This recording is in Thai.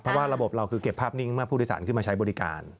เพราะว่าระบบเราคือเก็บภาพนิ่งเมื่อผู้โดยสารขึ้นมาใช้บริการ